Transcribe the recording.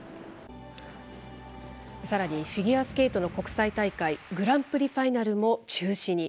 さらに、フィギュアスケートの国際大会、グランプリファイナルも中止に。